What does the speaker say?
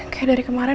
kayak dari kemarin